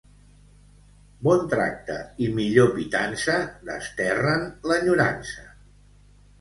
Bon tracte i millor pitança desterren l'enyorança.